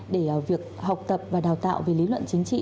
để việc học tập và đào tạo về lý luận chính trị